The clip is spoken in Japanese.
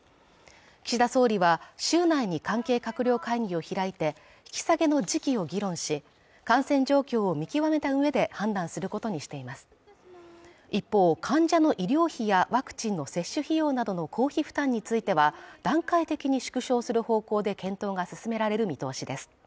岸田総理は週内に関係閣僚会議を開いて引き下げの時期を議論し感染状況を見極めたうえで判断することにしています一方患者の医療費やワクチンの接種費用などの公費負担については段階的に縮小する方向で検討が進められる見通しです